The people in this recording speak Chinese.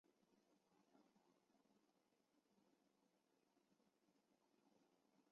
至少已有两名工人在这项危险的工作中遇难。